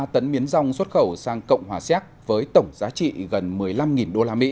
ba tấn miến rong xuất khẩu sang cộng hòa xéc với tổng giá trị gần một mươi năm usd